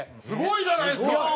すごいじゃないですか！